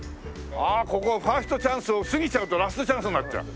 ここファーストチャンスを過ぎちゃうとラストチャンスになっちゃう。